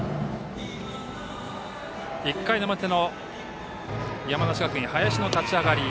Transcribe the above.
１回の表、山梨学院林の立ち上がり。